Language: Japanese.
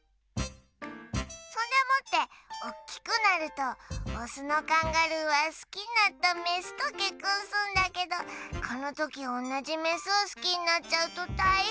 そんでもっておっきくなるとオスのカンガルーはすきになったメスとけっこんすんだけどこのときおんなじメスをすきになっちゃうとたいへんなんだ。